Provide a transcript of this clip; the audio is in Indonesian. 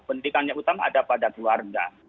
pendidikannya utama ada pada keluarga